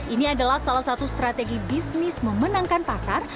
ini adalah salah satu strategi bisnis memenangkan pasar